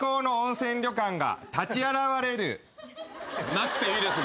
なくていいです。